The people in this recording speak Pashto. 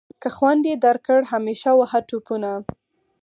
که خوند یې درکړ همیشه وهه ټوپونه.